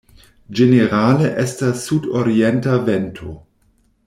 Ĝenerale estas sudorienta vento.